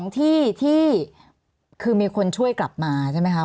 ที่ที่คือมีคนช่วยกลับมาใช่ไหมคะ